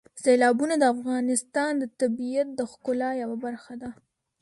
سیلابونه د افغانستان د طبیعت د ښکلا یوه برخه ده.